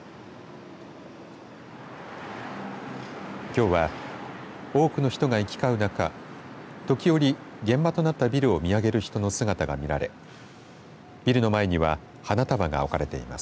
きょうは、多くの人が行き交う中時折、現場となったビルを見上げる人の姿が見られビルの前には花束が置かれています。